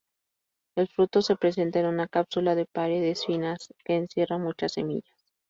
El fruto se presenta en una cápsula de paredes finas, que encierra muchas semillas.